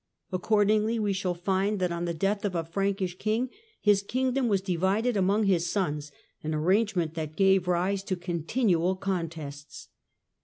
Accordingly we shall find that on the death of a Frankish king his kingdom was divided among his sons — an arrangement that gave rise to continual con tests.